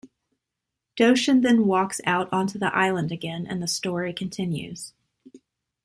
Doshin then walks out onto the island again and the story continues.